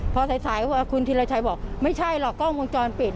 พอสายคุณธิรชัยบอกไม่ใช่หรอกกล้องวงจรปิด